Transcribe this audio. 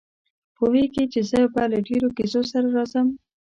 پوهېږي چې زه به له ډېرو کیسو سره راځم.